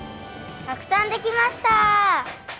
たくさんできました！